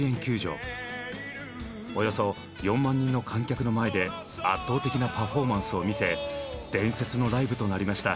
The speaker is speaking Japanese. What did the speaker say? およそ４万人の観客の前で圧倒的なパフォーマンスを見せ伝説のライブとなりました。